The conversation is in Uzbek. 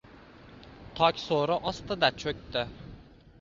Tokso‘ri ostida cho‘kdi.